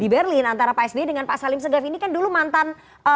di berlin antara pak sby dengan pak salim segaf ini kan dulu mantan